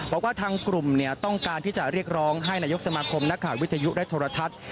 บอกว่าทางกลุ่มต้องการที่จะเรียกร้องให้นายกสมาคมนักข่าววิทยุและโทรทัศน์